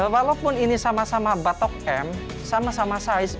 walaupun ini sama sama batok m sama sama size